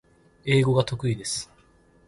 英語が得意です